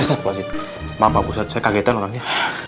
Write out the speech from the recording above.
ustadz maaf pak ustadz saya kagetan orangnya